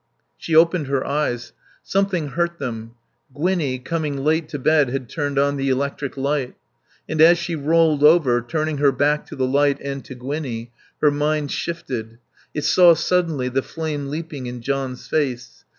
She opened her eyes. Something hurt them. Gwinnie, coming late to bed, had turned on the electric light. And as she rolled over, turning her back to the light and to Gwinnie, her mind shifted. It saw suddenly the flame leaping in John's face.